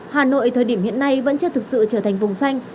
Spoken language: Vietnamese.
hà nội thời điểm hiện nay vẫn chưa thực sự trở thành vùng xanh